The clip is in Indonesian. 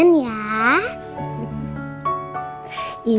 panggilnya tante frozen ya